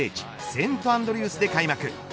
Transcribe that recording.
セントアンドリュースで開幕。